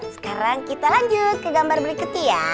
sekarang kita lanjut ke gambar berikutnya ya